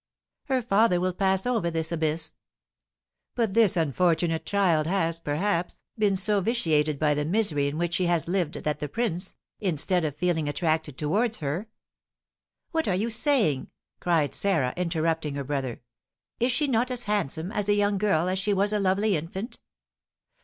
"Her father will pass over this abyss." "But this unfortunate child has, perhaps, been so vitiated by the misery in which she has lived that the prince, instead of feeling attracted towards her " "What are you saying?" cried Sarah, interrupting her brother. "Is she not as handsome, as a young girl, as she was a lovely infant?